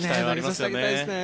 投げさせてあげたいですね